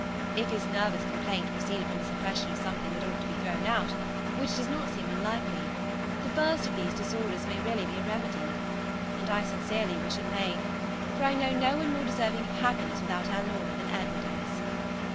If his nervous complaint proceeded from a suppression of something that ought to be thrown out, which does not seem unlikely, the first of these disorders may really be a remedy, and I sincerely wish it may, for I know no one more deserving of happiness without alloy than Edward is.